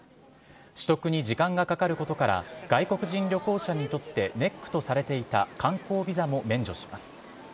取得に時間がかかることから外国人旅行者にとって、ネックとされていた観光ビザも免除します。